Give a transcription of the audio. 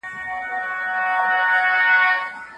ولې غیر صحي خواړه ټیټ مغذي ارزښت لري؟